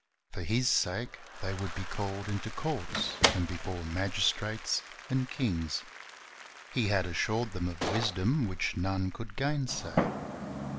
For His sake they would be called into courts, and before magistrates and kings. He had assured them of wisdom which none could gainsay.